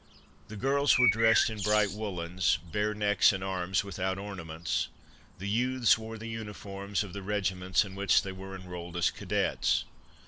The girls were dressed in bright woolens, bare necks and arms without ornaments ; the youths wore the uniforms of the regiments in which they were enrolled as cadets.